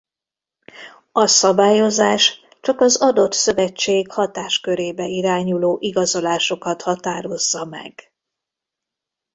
A szabályozás csak az adott szövetség hatáskörébe irányuló igazolásokat határozza meg.